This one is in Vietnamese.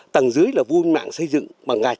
tầng dưới là vô mạng xây dựng bằng ngạch